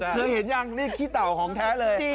เห็นยังนี่ขี้เต่าของแท้เลย